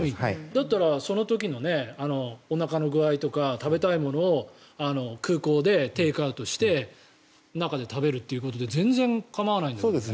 だったらその時のおなかの具合とか食べたいものを空港でテイクアウトして中で食べるということで全然構わないんです。